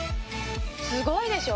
すごいでしょ？